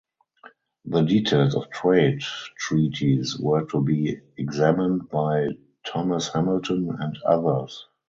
The details of trade treaties were to be examined by Thomas Hamilton and others.